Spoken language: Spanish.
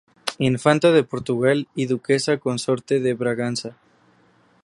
Infanta de Portugal y duquesa consorte de Braganza.